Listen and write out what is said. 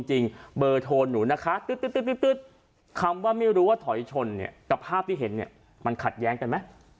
ราบที่เห็นมันขัดแย้งกันไหม